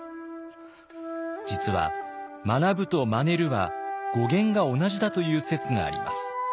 実は「学ぶ」と「まねる」は語源が同じだという説があります。